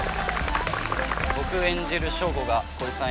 僕演じる翔吾が浩市さん